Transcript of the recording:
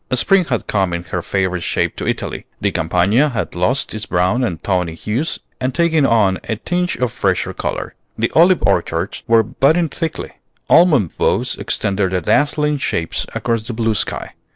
Spring had come in her fairest shape to Italy. The Campagna had lost its brown and tawny hues and taken on a tinge of fresher color. The olive orchards were budding thickly. Almond boughs extended their dazzling shapes across the blue sky.